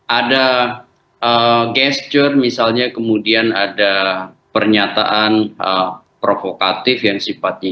ada gesture misalnya kemudian ada pernyataan provokatif yang sifatnya